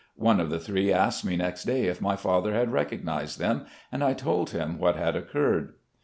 One of the three asked me next day if my father had recognised them, and I told him what had occurred.